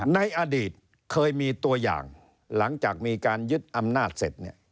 ในอดีตเคยมีตัวอย่างหลังจากมีการยึดอำนาจเสร็จ